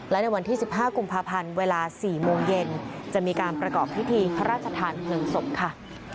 และในวันที่๑๕กุมภาพันธ์เวลา๔โมงเย็นจะมีการประกอบพิธีพระราชทานเพลิงศพค่ะ